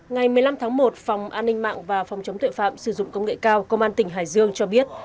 ngày một mươi năm tháng một phòng an ninh mạng và phòng chống tuệ phạm sử dụng công nghệ cao công an tỉnh hải dương cho biết